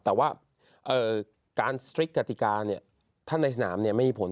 แต่ว่าการสตริกกติกาถ้าในสนามไม่มีผล